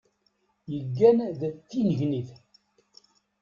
Yeggan d tinnegnit.